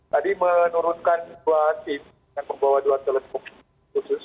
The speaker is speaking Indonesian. tadi menurunkan dua tim yang membawa dua teleskop khusus